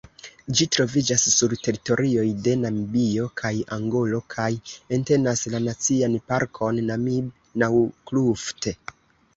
Ĝi troviĝas sur teritorioj de Namibio kaj Angolo kaj entenas la Nacian Parkon Namib-Naukluft.